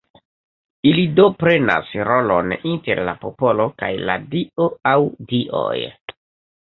Ili do prenas rolon inter la popolo kaj la Dio aŭ Dioj.